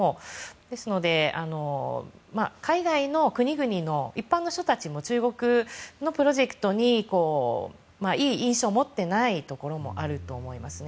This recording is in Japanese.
ですので、海外の国々の一般の人たちも中国のプロジェクトにいい印象を持ってないところもあると思いますね。